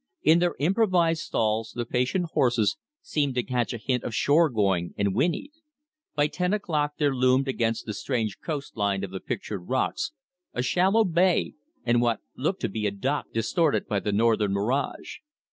In their improvised stalls, the patient horses seemed to catch a hint of shore going and whinnied. By ten o'clock there loomed against the strange coast line of the Pictured Rocks, a shallow bay and what looked to be a dock distorted by the northern mirage.